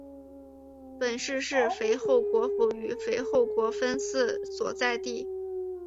本市是肥后国府与肥后国分寺所在地。